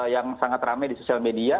yang sangat rame di sosial media